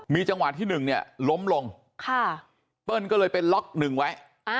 มีจังหวะที่หนึ่งล้มลงเปิ้ลก็เลยเป็นล็อคหนึ่งไว้